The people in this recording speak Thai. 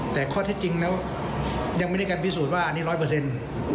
แต่ข้อเท็จจริงแล้วยังไม่ได้การพิสูจน์ว่าอันนี้ร้อยเปอร์เซ็นต์